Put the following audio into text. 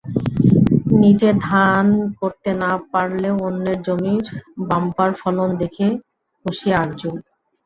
নিজে ধান করতে না পারলেও অন্যের জমির বাম্পার ফলন দেখে খুশি আরজু।